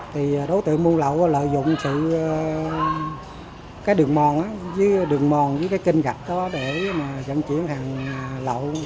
thì đối tượng mua lậu lợi dụng cái đường mòn với cái kinh gạch đó để vận chuyển hàng lậu